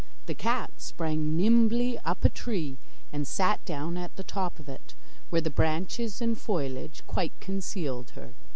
The cat sprang nimbly up a tree, and sat down at the top of it, where the branches and foliage quite concealed her.